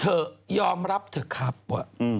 ยอมรับเถอะครับว่ะ